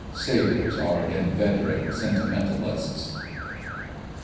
Sailors are inveterate sentimentalists.